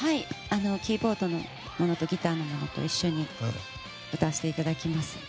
キーボードの者とギターの者と一緒に歌わせていただきます。